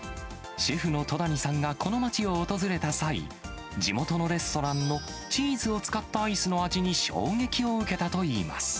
シェフの戸谷さんがこの町を訪れた際、地元のレストランのチーズを使ったアイスの味に衝撃を受けたといいます。